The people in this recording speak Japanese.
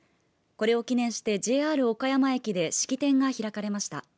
これを記念してＪＲ岡山駅で式典が開かれました。